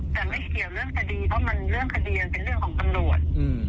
แต่ไม่เกี่ยวเรื่องคดีเพราะมันเรื่องคดีมันเป็นเรื่องของตำรวจ